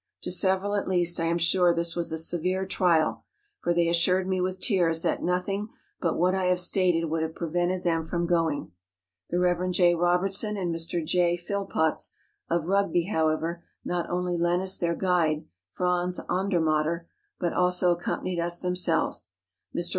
To several, at least, I am sure this was a severe trial; for they assured me with tears that nothing but what I have stated would have prevented them from going. The Rev. J. Robertson and Mr. J. Phill potts, of Rugby, however, not only lent us their guide, Franz Andermatter, but also accompanied us themselves. Mr.